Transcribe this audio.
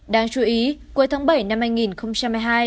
đáng chú ý cuối tháng bảy năm hai nghìn hai mươi hai